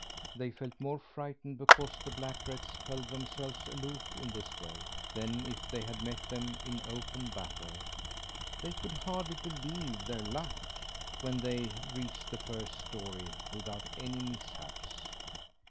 They felt more frightened because the black rats held themselves aloof in this way, than if they had met them in open battle. They could hardly believe their luck when they reached the first story without any mishaps.